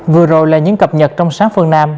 vừa rồi là những cập nhật trong sáng phương nam